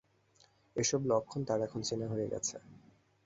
এসব লক্ষণ তার এখন চেনা হয়ে গেছে।